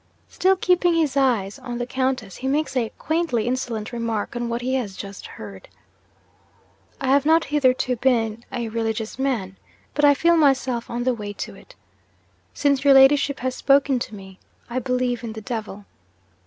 Still keeping his eyes on the Countess, he makes a quaintly insolent remark on what he has just heard. "I have not hitherto been a religious man; but I feel myself on the way to it. Since your ladyship has spoken to me, I believe in the Devil."